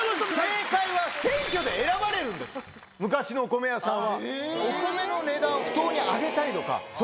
正解は選挙で選ばれるんです昔のお米屋さん。